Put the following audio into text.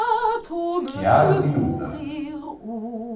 Chiaro di luna